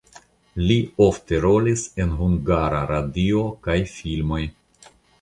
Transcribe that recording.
Li ofte rolis en Hungara Radio kaj filmoj.